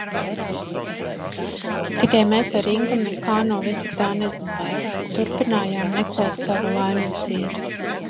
Tikai mēs ar Ingu nekā no visa tā nezinājām, turpinājām meklēt savu laimes ziedu.